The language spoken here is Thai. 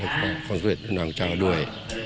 ความสำเร็จด้านหลังจากกันด้วย